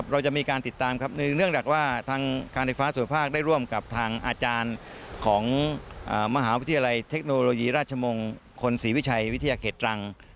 เราจะมีการติดตามครับเนื่องจากว่าทางการไฟฟ้าส่วนภาคได้ร่วมกับทางอาจารย์ของมหาวิทยาลัยเทคโนโลยีราชมงคลศรีวิชัยวิทยาเขตตรัง